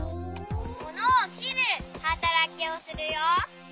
ものをきるはたらきをするよ。